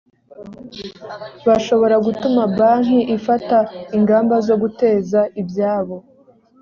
bashobora gutuma banki ifata ingamba zo guteza ibyabo